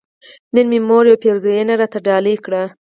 نن مې مور يوه پيرزوينه راته ډالۍ کړه